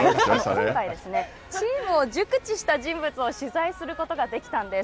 今回は、チームを熟知した人物を取材することができたんです。